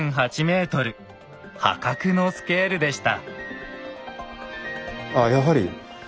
破格のスケールでした。